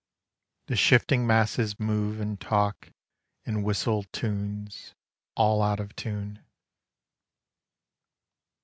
The shifting masses move and talk And whistle tunes all out of tune.